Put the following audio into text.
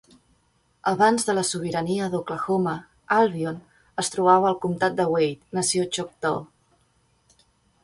Abans de la sobirania d'Oklahoma, Albion es trobava al comtat de Wade, Nació Choctaw.